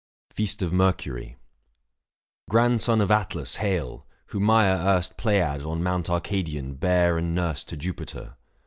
755 FEAST OF MERCURY. Grandson of Atlas, hail ! whom Maia erst Pleiad on Mount Arcadian bare and nursed To Jupiter.